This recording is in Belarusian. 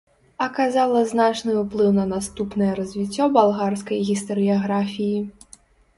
Аказала значны ўплыў на наступнае развіццё балгарскай гістарыяграфіі.